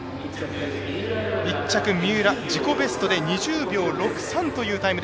１着、三浦、自己ベストで２０秒６３というタイム。